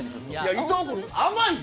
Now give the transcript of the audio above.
伊藤君、甘いよ。